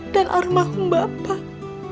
dan armah bapak